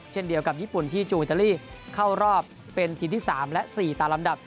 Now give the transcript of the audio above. เช่นเดียวกับญี่ปุ่นที่จูอิตาลีเข้ารอบเป็นทีมที่๓และ๔ตามลำดับ